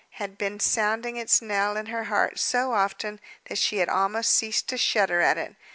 had been sounding its knell in her heart so often that she had almost ceased to shudder at it.